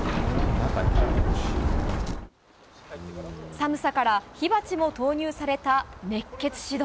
寒さから火鉢も投入された熱血指導。